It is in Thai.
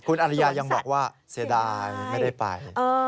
คุณอริยายังบอกว่าเสียดายไม่ได้ไป